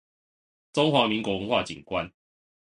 中華民國文化景觀